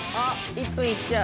１分いっちゃう。